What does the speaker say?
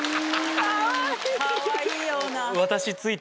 かわいいような。